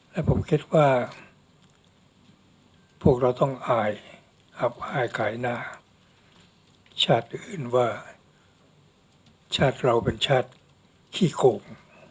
และผมคิดว่าพวกเราต้องอายอับอายขายหน้าชาติอื่นว่าชาติเราเป็นชาติขี้โคม